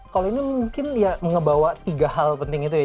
kalau ini mungkin ya ngebawa tiga hal penting itu ya